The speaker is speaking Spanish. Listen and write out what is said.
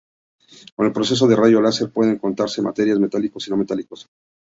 Con el proceso de rayo láser pueden cortarse materiales metálicos y no metálicos.